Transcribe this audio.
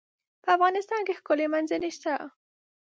په افغانستان کې ښکلي منظرې شته.